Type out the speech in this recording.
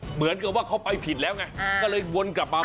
เหมือนกับว่าเขาไปผิดแล้วไงก็เลยวนกลับมา